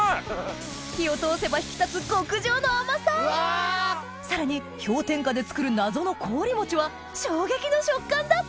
火を通せば引き立つ極上の甘ささらに氷点下で作る謎の「凍りもち」は衝撃の食感だった！